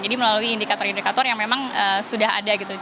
jadi melalui indikator indikator yang memang sudah ada gitu